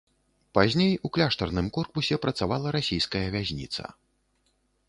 Пазней у кляштарным корпусе працавала расійская вязніца.